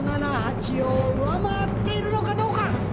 ６７８を上回っているのかどうか！